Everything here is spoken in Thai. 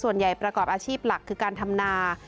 ประกอบอาชีพหลักคือการทำนา